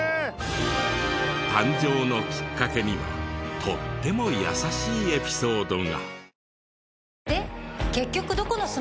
誕生のきっかけにはとっても優しいエピソードが。